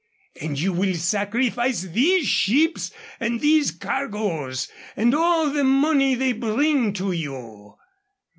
And you will sacrifice these ships and these cargoes and all the money they'll bring to you."